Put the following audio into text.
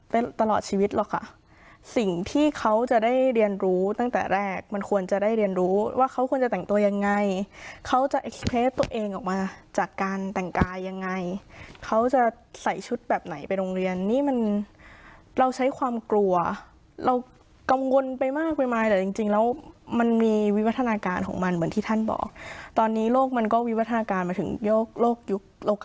ตลอดชีวิตหรอกค่ะสิ่งที่เขาจะได้เรียนรู้ตั้งแต่แรกมันควรจะได้เรียนรู้ว่าเขาควรจะแต่งตัวยังไงเขาจะเคลสตัวเองออกมาจากการแต่งกายยังไงเขาจะใส่ชุดแบบไหนไปโรงเรียนนี่มันเราใช้ความกลัวเรากังวลไปมากไปมาแต่จริงแล้วมันมีวิวัฒนาการของมันเหมือนที่ท่านบอกตอนนี้โลกมันก็วิวัฒนาการมาถึงโยกยุคโลก